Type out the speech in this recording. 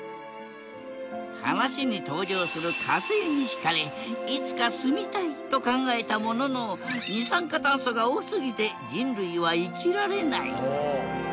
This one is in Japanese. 話に登場する火星に引かれいつか住みたいと考えたものの二酸化炭素が多すぎて人類は生きられない。